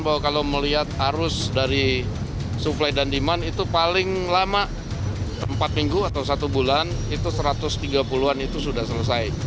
bahwa kalau melihat arus dari supply dan demand itu paling lama empat minggu atau satu bulan itu satu ratus tiga puluh an itu sudah selesai